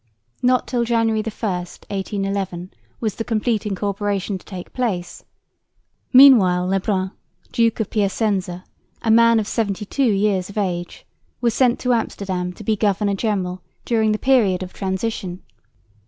Not till January 1, 1811, was the complete incorporation to take place; meanwhile Le Brun, Duke of Piacenza, a man of 72 years of age, was sent to Amsterdam to be governor general during the period of transition.